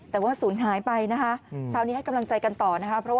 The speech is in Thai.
แต่ว่าศูนย์หายไปนะคะเช้านี้ให้กำลังใจกันต่อนะคะ